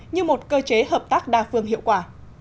như một cơ chế hợp tác đa phương hiệu quả